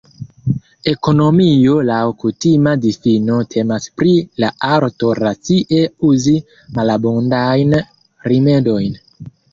Ekonomio laŭ kutima difino temas pri la arto racie uzi malabundajn rimedojn.